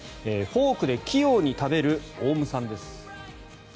フォークで器用に食べるオウムさんです。